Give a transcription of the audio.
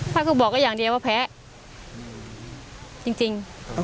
ก็คือบอกก็อย่างเดียวว่าแพ้จริง